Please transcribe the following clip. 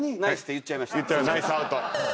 「ナイス」アウト。